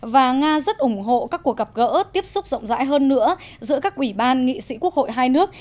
và nga rất ủng hộ các cuộc gặp gỡ tiếp xúc rộng rãi hơn nữa giữa các ủy ban nghị sĩ quốc hội hai nước